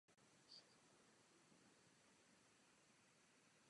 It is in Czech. Stroj bývá považován za jednoho z předchůdců tanku.